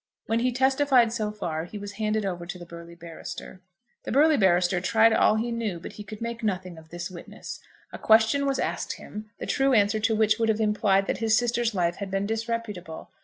When he testified so far he was handed over to the burly barrister. The burly barrister tried all he knew, but he could make nothing of this witness. A question was asked him, the true answer to which would have implied that his sister's life had been disreputable.